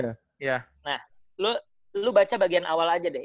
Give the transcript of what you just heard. nah lu lo baca bagian awal aja deh